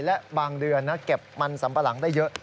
และบางเดือนนะเก็บมันสัมปะหลังได้เยอะ